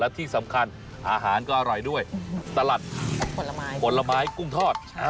ที่สำคัญอาหารก็อร่อยด้วยสลัดผลไม้ผลไม้กุ้งทอด